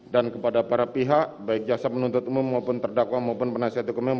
dan kepada para pihak baik jasa penuntut umum maupun terdakwa maupun penasihat hukumnya